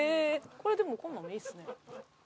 これでもこんなんもいいですね。